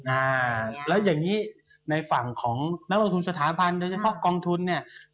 อ่าแล้วอย่างนี้ในฝั่งของนักลงทุนสถาบันโดยเฉพาะกองทุนเนี่ย